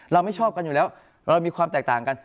เราไม่ชอบกันอยู่แล้วเรามีความแตกต่างกัน